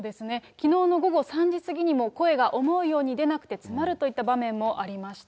きのうの午後３時過ぎにも、声が思うように出なくて詰まるといった場面もありました。